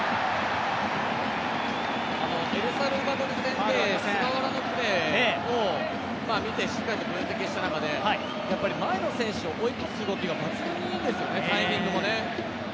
エルサルバドル戦で菅原のプレーを見てしっかりと分析した中で前の選手を追い越す動きが抜群にいいですね、タイミングもね。